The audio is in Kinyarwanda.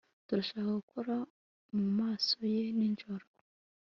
Turashaka gukora mumaso ye nijoro